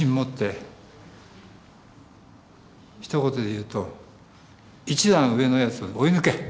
ひと言で言うと一段上のヤツを追い抜け！